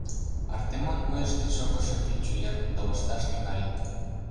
Артемон уэш шкет шогышо пӱнчӧ йыр кудалышташ тӱҥале.